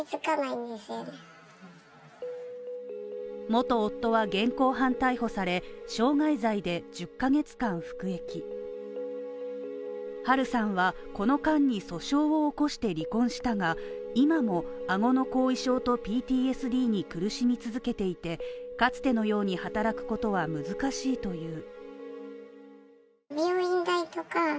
元夫は現行犯逮捕され、傷害罪で１０ヶ月間服役ハルさんは、この間に訴訟を起こして離婚したが、今もあごの後遺症とＰＴＳＤに苦しみ続けていて、かつてのように働くことは難しいという。